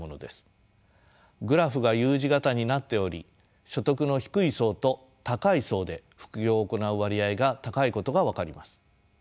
グラフがＵ字型になっており所得の低い層と高い層で副業を行う割合が高いことが分かります。